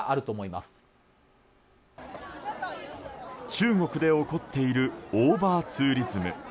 中国で起こっているオーバーツーリズム。